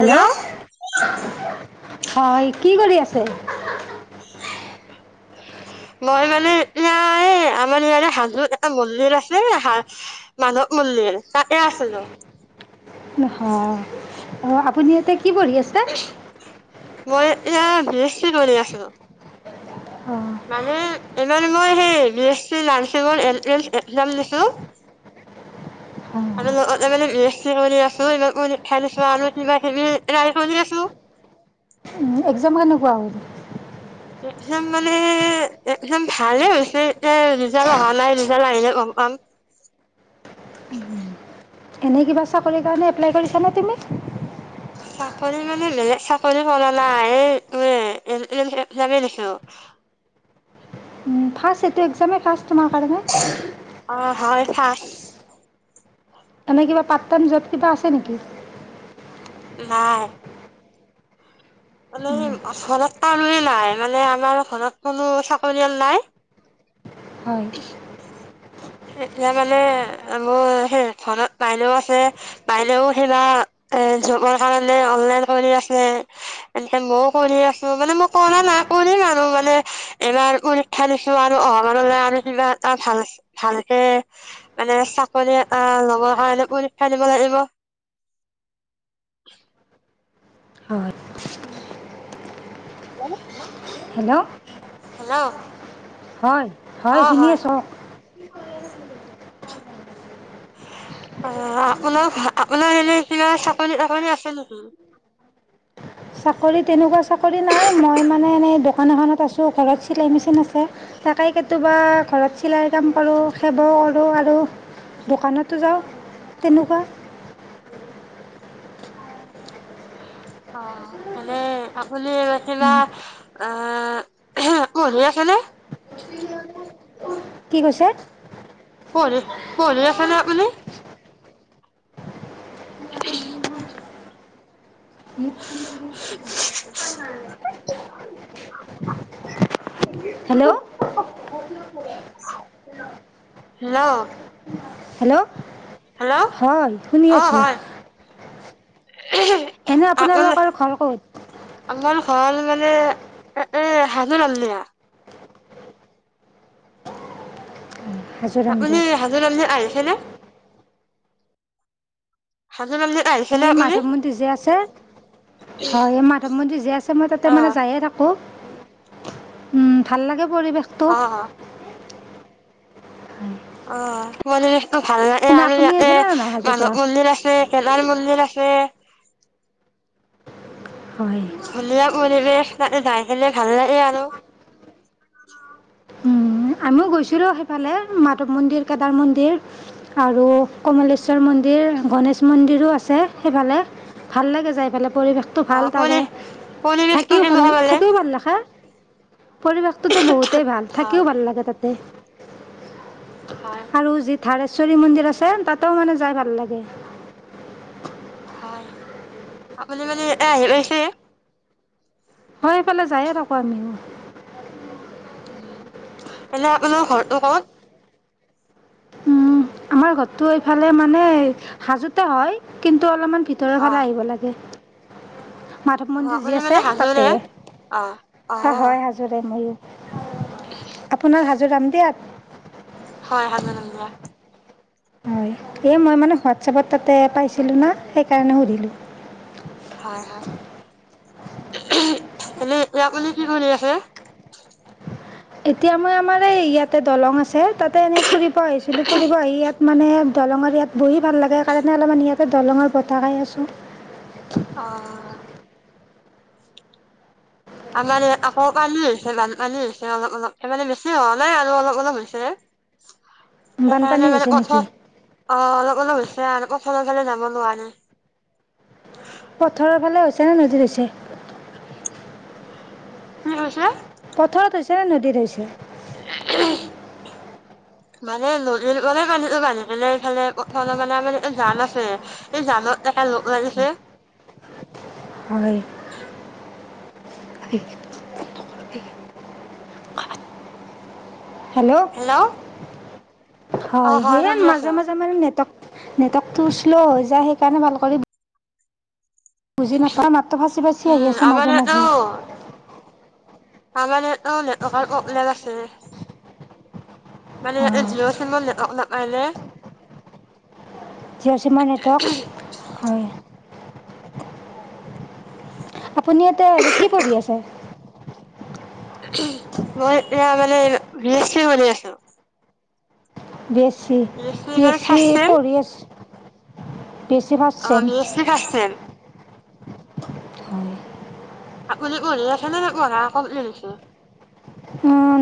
Hello হয় কি কৰি আছে মই মানে নাই আমাৰ ইয়াৰে হাজো এটা মল্লিৰ আছে হা মাধৱ মল্লিৰ তা এ আছিলো। নহ্য় অ আপুনি এটা কি পঢ়ি আছা। মই এয়া বি এ চিন বনাই আছো। অঁ মানে, ইমান মই সেই বি এ লামচি একজাম দিছো হয় আৰু লগতে বি এছ কৰি আছো মই খাই লছো আৰু ক কি ৰাই আছো একজাম কেনেকুৱা হ'ল একজাম মানে একদম ভালে হৈছে এতিয়া ৰিজাল্ট অহা নাই ৰিজাল্ট আহিলে গম পাম। এনে কিবা চাকৰিৰ কাৰণে এপ্লাই কৰিছানে তুমি। চাকৰি মানে বেলেগ চাকৰি কৰা নাই। এই এইটোৱেই, এনেই সেইবিলাকে দেখিলোঁ। ফাৰ্ষ্ট, এইটো এক্সামে ফাৰ্ষ্ট তোমাৰ কাৰণে? হা। এনে কিবা পাৰ্ট টাইম জব কিবা আছে নেকি? নাই। মানে ঘৰত কাৰোৱেই নাই। মানে আমাৰ ঘৰত কোনো চাকৰিয়াল নাই। হয়। এতিয়া মানে, মোৰ সেই ঘৰত বাইলেও আছে। বাইলেও সি এইবাৰ জবৰ কাৰণে অনলাইন কৰি আছে, এনে মইও কৰি আছোঁ। মানে মই কৰা নাই, কৰিম আৰু মানে ইমান পৰীক্ষা দিছো আৰু। অ ঘৰলে আৰু কিবা এটা ভাল-ভালকে, মানে চাকৰি এটা লবৰ কাৰণে পৰীক্ষা দিব লাগিব। হয়। এনে হেল্ল'? হেল্ল'? হয়। হয় শুনি আছোঁ কওক। [unintelligible] অ, আপোনাৰ-আপোনাৰ এনে কিবা চাকৰি-বাকৰি আছে নেকি? চাকৰি, তেনেকুৱা চাকৰি নাই। মই মানে এনেই দোকান এখনত আছোঁ। ঘৰত চিলাই মেচিন আছে, তাকে কেতিয়াবা ঘৰত চিলাইৰ কাম কৰোঁ। সেইবোৰ কৰোঁ আৰু দোকানতো যাওঁ, তেনেকুৱা। অ। তেনে আপুনি এৰা চিলাই, আহ আ কৰি আছে নে? কি কৈছে? পঢ়ি, পঢ়ি আছে নে আপুনি? উম্। [unintelligible] হেল্ল'? হেল্লো'! হেল্ল'? হয় শুনি আছো। উহুম। এনে আপোনালোকৰ ঘৰ ক'ত? হল মানে, এ এ সাজু হাজৰিকা। হাজোৰাম আপুনি দিয়াত হাজো ৰামদেৱ আহিছেনে? হাজো ৰামদেৱ আহিছো এই মাধৱ মন্দিৰ যে আছে। হয় এই মাধৱ মন্দিৰ যি আছে মই তাতে অ মানে যায়ে থাকো। উম ভাল লাগে পৰিৱেশটো। অ অ পৰিবেশ টো ভাল লাগে এনে আৰু আপুনি ইয়াতে আহিছিল নে নাই হাজোৰ পৰা মানৱ মন্দিৰ আছে। কলাৰ মন্দিৰ আছে। [unintelligible] হয় ধুনীয়া পৰিৱেশ। তাতে যাই কিনে ভাল লাগে আৰু। আমিও গৈছিলোঁ সেইফালে মাধৱ মন্দিৰ, কেদাৰ মন্দিৰ আৰু কমলেশ্বৰ মন্দিৰ গণেশ মন্দিৰো আছে সেইফালে, ভাল লাগে যায়ফালে। পৰিৱেশটো অ ভাল পৰি তাৰে পৰিৱেশটো থাকিও ভাল কেনেকুৱা মানে থাকিও ভাল লখা [unintelligible] পৰিৱেশটোতো বহুতেই ভাল থাকে। হয় কিয় ভাল লাগে তাতে। হয়, [unintelligible] আৰু যি থাৰেশ্বৰী মন্দিৰ আছে তাতেও মানে যাই ভাল লাগে। হয় আপুনি মানে এ আহিছে। হয় এইফালে যায়ে থাকো আমি। এনে আপোনাৰ ঘৰটো কত। আমাৰ ঘৰতো এইফালে মানে সাজোতে হয় কিন্তু অলপমান। ভিতৰৰ ফালে অ', আহিব লাগে। মাধৱ অ', মন্দিৰ যি আপুনি মানে আছে তাতে হাজোৰে? অ', অ', হয় হাজোৰে মোৰো। আপোনাৰ হাজো ৰাম দিয়াত অ [unintelligible] হয়, এই মই মানে হোৱাটছপত তাতে পাইছিলো না সেইকাৰণে সুধিলো। শ [unintelligible] [inaudible] হয় হয়। এনেপুনি এতিয়া কি কৰি আছে । এতিয়া মই আমাৰ এই ইয়াতে দলং আছে, তাতে এনেই ফুৰিব আহিছিলো, ফুৰিব আহি ইয়াত মানে দলংৰ ইয়াত। বহি ভাল লাগে সেই কাৰণে অলপমান ইয়াতে দলঙৰ বতাহ খাই আছো। অঁ। আমাৰ ইয়াত আকৌ পানী হৈছে বানপানী হৈছে অলপ অলপ স মানে বেছি হোৱা নাই আৰু অলপ অলপ হৈছে বানপানী সেইকাৰণে মানে হৈছে কথা নেকি অ অলপ অলপ হৈছে আৰু ইফালে সিফালে যাব নোৱাৰি। পথখৰৰ ফালে হৈছে নে নদীত হৈছে। কি কৈছিলে পথাৰত হৈছে নে নদীত হৈছে। উম। [inaudible] মানে নদীৰ পৰা পানীটো নামিছে এইফালে পথাৰ মানেে জান আছে এই জানত মাৰিছে হয়। হয় [unintelligible] হেল্ল'। অ হয় সেয়া শুনি মাজে আছো মাজে মানে নেটক। নেটৱৰ্কটো শ্ল' হৈ যায়, সেইকাৰণে ভাল কৰি [unintelligible] বুজি নাপায়, মাতটো ফাঁচি ফাচি আহি উম আছে আমাৰ মাজে ইয়াত অ মাজে আমাৰ নেট নেটৱৰ্কাৰ প্ৰব্লেম আছে। [unintelligible] মানে ই অঁ জিঅ' চিমত [unintelligible] জিঅ' চিমৰ নেটৱৰ্ক, হয়। আপুনি ইয়াতে হেৰি কি পঢ়ি আছে? মই এয়া মানে বি এছ চি কৰি আছোঁ। বেছ বি এছ মানে চি, ফাৰ্ষ্ট চেম পঢ়ি আছে? বি এছ চি ফাৰ্ষ্ট অ' sem B S C first sem. হয় আপুনি পঢ়ি আছে নে? পঢ়া [unintelligible]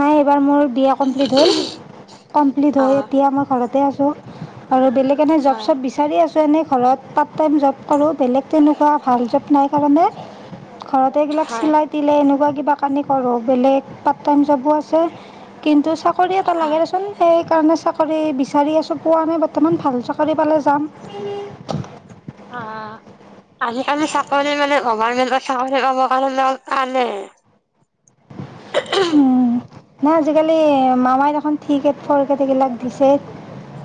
নাই এইবাৰ মোৰ বি এ কম্প্লিট হ'ল। কম্প্লিট অ হৈ এতিয়া মই ঘৰতে আছোঁ। [unintelligible] আৰু বেলেগ এনে জব হয় চব বিচাৰি আছোঁ। এনেই ঘৰত পাৰ্ট টাইম জব কৰোঁ। বেলেগ তেনেকুৱা ভাল জব নাই কাৰণে ঘৰতে এইবিলাক হয় চিলাই পিলাই এনেকুৱা কিবা কাটি কৰোঁ। বেলেগ জ'বো আছে। কিন্তু চাকৰি এটা লাগে হয় দেচোন, সেই সেই কাৰণে চাকৰি বিচাৰি আছোঁ। পোৱা নাই বৰ্তমান। ভাল চাকৰি পালে যাম। অ' আজিকালি চাকৰি মানে, গভৰ্ণমেন্টৰ চাকৰি পাব কাৰণে [unintelligible] উম, নাই আজিকালি মামাই দেখোন থ্ৰি গ্ৰেড ফৰ গ্ৰেড সেইবিলাক দিছে,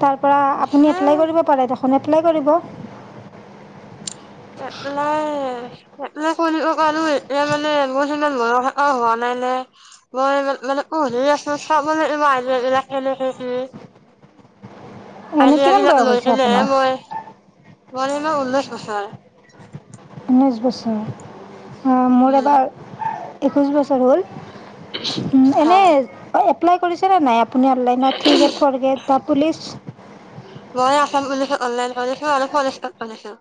তাৰ পৰা আপুনি এপ্লাই দিছে কৰিব পাৰে দেখোন। এপ্লাই কৰিব এপ্লাই এপ্লাই কৰিব কাৰণেও এতিয়া মানে মোৰ সিমান মন হোৱা নাই, নাই মই মানে, পঢ়ি আছোঁ চাবলৈ হে এইবিলাক কেনেকে কি এনেই আইডিয়া কিমান বিলাক বয়স লৈ হৈছে, কিনেহে আপোনাৰ? মই মোৰ এইাবাৰ ঊনৈছ বছৰ। ঊনৈছ বছৰ। মোৰ উম এবাৰ একৈছ বছৰ হ'ল। এনে হয় এপ্লাই কৰিছে, নে নাই আপুনি অনলাইনত থ্ৰি গেড ফৰ গেড বা পুলিচ। মই আসাম পুলিচ অনলাইন কৰিছোঁ আৰু ফৰেষ্টত কৰিছোঁ।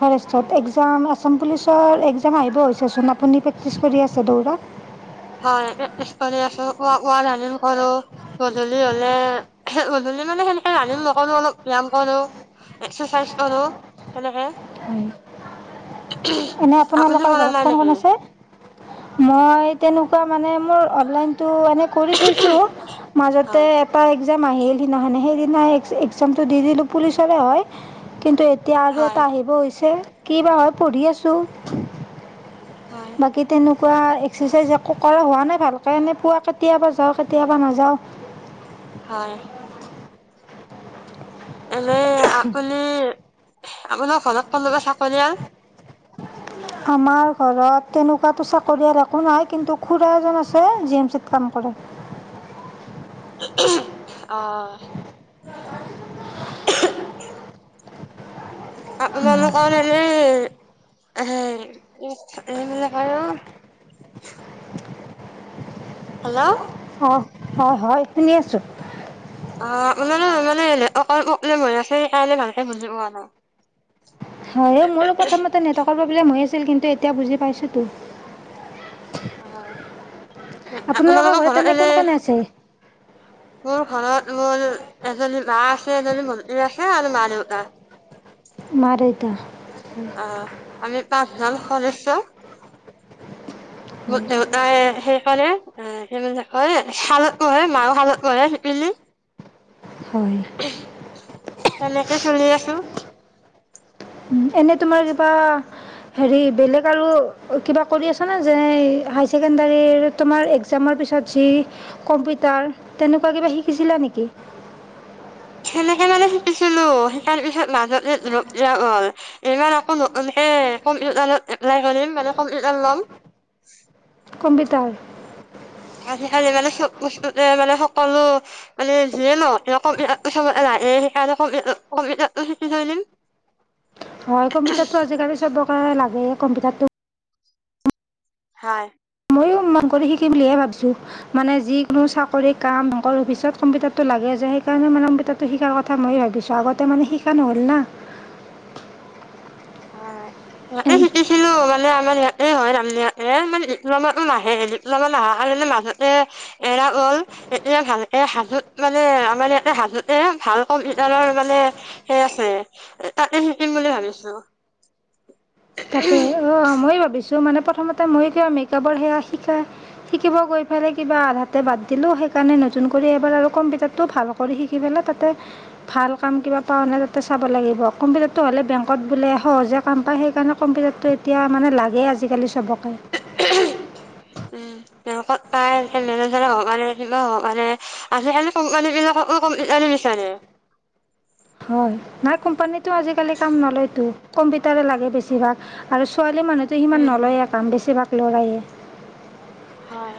ফৰেষ্টত এগজাম আ আসাম পুলিচৰ একজাম আহিব হৈছেচোন আপুনি প্ৰেক্টিচ কৰি আছে দৌৰা? হয় প্ৰেক্টিচ কৰি আছো ৱাক ৱ ৰনিং কৰো, গধূলি হলে গধূলি মানে সেনেকে ৰানিং নকৰো অলপ ব্যয়াম কৰো, এক্সাৰচাইজ কৰো সেনেকে। এনে আপুনি আপোনালোকৰ কৰা নাই ঘৰত কোন কোন নেকি আছে? মই তেনেকুৱা মানে মোৰ অনলাইন টো এনে কৰি থৈছোঁ, মাজতে হয় এটা এক এক্সাম আহিল সেই সেদিনাখনে সেইদিনা এক্সামটো দি দিলোঁ পুলিচৰে হয় কিন্তু এতিয়া আৰু এটা হয় আহিব হৈছে কি বা হয় পঢ়ি আছ ছো? হয়, বাকি তেনে পা এক্সাৰচাইজ একো কৰা হোৱা নাই ভালকৈ, এনেই পুৱা কেতিয়াবা যাওঁ কেতিয়াবা নাযাওঁ। হয়। এনে আপুনি আপোনৰ ঘৰত কোনোবা চাকৰীয়াল আমাৰ ঘৰত তেনেকুৱাটো চাকৰিয়াল একো নাই কিন্তু খুৰা এজন আছে, জি এম চিত কাম কৰে। অ অহু, অ। উহ। আপোনালোকৰ এনে এ এইবিলাকৰো হেল্ল'। অ হয় হয়। শুনি আছোঁ। অ আপোনাৰ মানে, অলপ প্ৰব্লেম হৈ আছে, সেইকাৰনে ভালকে বুজি পোৱা নাই। হয় মোৰো প্ৰথমতে নেটকৰ প্ৰব্লেম হৈ আছ কিন্তু এতিয়া বুজি পাইছোতো। অ। আপোনালোকৰ ঘৰত তেনে কোন কোনে আছে? মোৰ ঘৰত, মোৰ এজনী মা আছে, এজনী ভন্তী আছে আৰু মা দেউতা। মা দেউতা অ আমি পাচ জন সদস্য মোৰ দেউতাই সেই কৰে সেই শালত পহে, মাৰ শালত পহে শিপিনী। হয় তেনেকে চলি আছো। এনেই তোমাৰ কিবা হেৰি বেলেগ আৰু কিবা কৰি আছনে যেনে হাই ছেকেণ্ডৰীৰ তোমাৰ একজামৰ পিছত যি কম্পিউটাৰ, তেনেকুৱা কিবা শিকিছিলা নেকি? তেনেকে মানে হিকিছিলো তাৰ পিছত মাজতে ৰখিয়া গল এইবাৰ আকৌ নতুনকে কম্পিউটাৰত এপ্লাই কৰিম মানে কম্পিউটাৰ লম। কম্পিউটাৰ আজি কালি মানে চব বস্তুতে মানে সকলো মানে যিয়ে ন সে সেইকাৰণে ক কম্পিটাৰ শিকি থৈ দিম হয় কম্পিউটাৰতটো আজিকালি চবকে লাগে কম্পিউটাৰটো হয় মইো মন কৰি শিকিম বুলিহে ভাবছোঁ মানে যি কোনো চাকৰি কাম অফিচত কম্পিউটাৰটো লাগে যে, সেইকাৰণে মানে কম্পিউটাৰটো শিকাৰ কথা মই ভাবিছোঁ আগতে মানে শিকা নহ'ল না। হয় মতে চুটিছিলো মান [unintelligible] মানে আমাৰ ইয়াতে হয় মানে ইপানো নাহে, ইপলামান অহাৰ কাৰে মাজতে এৰা হ'ল এতিয়া ভালকে হাজোত মানে আমাৰ ইয়াতে হাজোতে ভাল কম্পিউটাৰৰ মানে সেই আছে তাতে শিকিম বুলি ভাবিছোহ তাতে অ মই ভাবিছো মানে প্ৰথমতে ময়ো কিবা মেকআপৰ সেৱা শিকাই শিকিব গৈ পেলাই কিবা আধাতে বাদ দিলোঁ, সেইকাৰণে নতুন কৰি এবাৰ আৰু কম্পিউটাৰটো ভাল কৰি শিকি পেলাই তাতে ভাল কাম কিবা পাওঁ নে তাতে চাব লাগিব কম্পিউটাৰটো হ'লে বেংকত বোলে সহজে কাম পায় সেইকাৰণে। কম্পিউটাৰটো এতিয়া মানে লাগেই আজিকালি চবক। উম তেওঁত পাই এ মেনেজাৰ হওক বা কিবা হওঁক বা আজি খালি কোম্পানী বিলাক কম্পিউটাৰ বিচাৰে হয় নাই কোম্পানীত আজিকালি কাম নলয়তো কম্পিউটাৰে লাগে বেছিভাগ আৰু ছোৱা মানুহটো সিমান উম নলয় কাম বেছিভাক লৰাইে হয়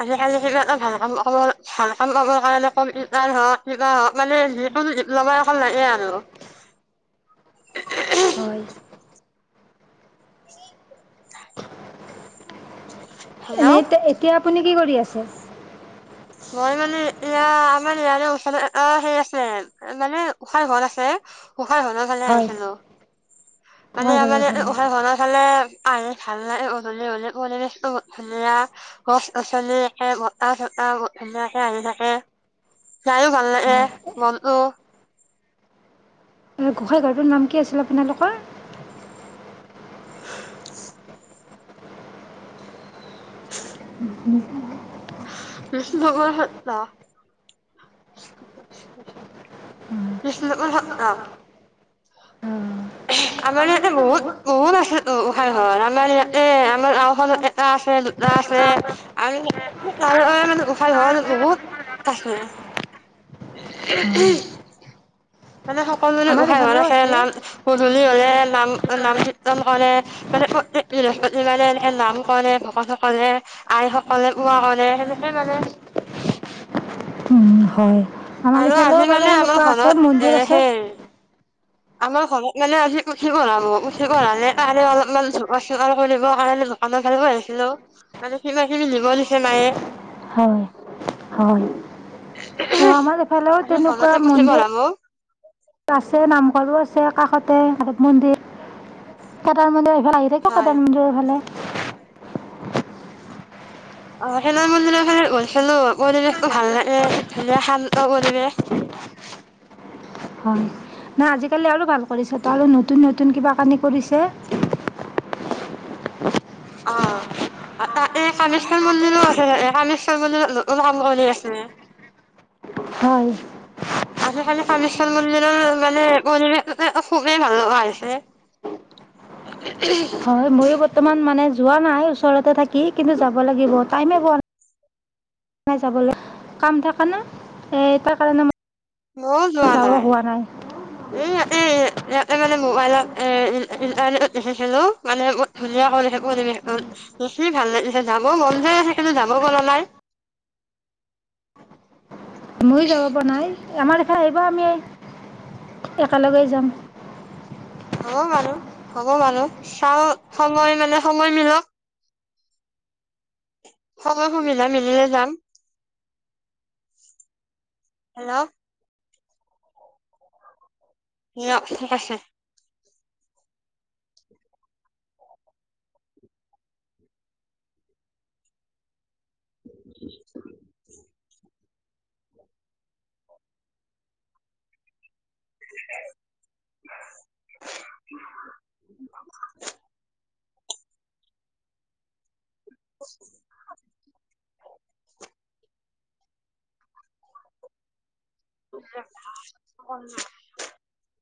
আজিকালি কিবা এটা ভাল কাম ভাল কাম ক কাৰণে কম্পিউটাৰ হওক কিবা হওক মানে যিকোনো ডিপ্লমা অকন লাগে আৰু। হয় হেল্ল' এনেই এতিয়া আপুনি কি কৰি আছে? মই মানে ইয়া আমাৰ ইয়াৰে ওচ অ সেই আছে মানে গোসাঁই ঘৰ আছে। গোসাঁই ঘৰৰ ফালে হয় আহিছিলো, হয় মানে ঘৰৰ আমাৰ ফালে গোসাঁই ঘৰৰ ফালে পভাল লাগে গধূলি হ'লে পৰিবেশটো ধুনীয়া গছ গছনি বতাহ চতা ধুনীয়াকে আহি থাকে চাইও ভাল লাগে মনটো গোঁসাঁই ঘৰটোৰ নাম কি আছিল আপোনালোকৰ নিজ [inaudible] [unintelligible] বিষ্ণু পুৰ সত্ৰ, বিষ্ণুপুৰ সত্ৰ আমাৰ ইয়াতে বহুত বহুত আছে গোসাই ঘৰত আমাৰ ইয়াতে আমাৰ গাওখনত এটা আছে দুটা আছে আম আৰু মানে গোসাঁই ঘৰ বহুত আছে। [unintelligible] মানে স সকলোৰে আমাৰ গোসাঁই ঘৰ ইফালেও আছৈ আছে। নাম গধূল কি [unintelligible] নাম নাম কৃতন কৰে। মানে প্ৰতেক বৃহস্পতিবাৰে এনেকে নাম কৰে ভকত সকলে আই সকলে পুৱা কৰে সেনেকে মানে [unintelligible] হয় আমাৰ আৰু ইফালেও আজি কৰে মানে কিন্তু আমাৰ সেনেকুৱা আছে ঘৰত মন্দিৰ এ আছে। সেই আমাৰ ঘৰত মানে আজি পুঠি পঢ়াব পুঠি পঢ়ালে কাই অলপমান চফা চিকুণ কৰিব কালৈ দোকানত ভাল ব আহিছিলো মানে কিবা কিবি নিব দিছে মায়ে হয় হয় অ আমাৰ এইফালেও আজি তেনেকুৱা ঘৰতে পুথি মন্দিৰ পঢ়াব আছে নাম আৰু আছে কাষত তে মন্দিৰ আগত মন্দিৰ ভাল আহি থাক হয় কাদাল মৰ ফালে অ খেলা মূন্দিৰৰ গল খেলো পৰিৱেশটো ভাল লাগে ধুনীয়া শান্ত পৰিৱেশ হয় নাই আজিকালি আৰু ভাল কৰিছ ত আৰু ল নতুন নতুন কিবা কানি কৰিছে অ এই কামেশ্বৰ মন্দিৰো আছে ন কামেশ্বৰ মন্দিৰত নতন কাম কৰি আছে হয় আজি কালি কামেশ্বৰ মন্দিৰৰ মানে পৰিৱেশ খুবেই ভাল লগা হৈছে হয় ময়ো বৰ্তমান মানে যোৱা নাই ওচৰতে থাকি কিন্তু যাব লাগিব টাইমে পোৱা নাই পোৱানাই যাবলৈ কাম থকা না এ তাৰ কাৰণে ম মই যোৱা নাই এ ই এই ইতে মানে মোবাইলত এ ইণ্টাৰনেট দেখিছিলো মানে ধুনীয়া কৰি যখিনি ভাল লাগি যাব মন যায় কিন্তু যাব গল নাই ময়ো যাব পৰা নাই আমাৰ আহিব আমি একেলগেই যাম হ'ব বাৰু হ'ব বাৰু চাওঁ সময় মানে সময় মিলক সময় সুবিধা মিলিলে যাম হেল্ল' নছে [unintelligible] [inaudible] [inaudible] [inaudible] [unintelligible]